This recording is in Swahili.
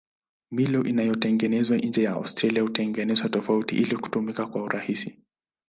Milo iliyotengenezwa nje ya Australia hutengenezwa tofauti ili kutumika kwa urahisi.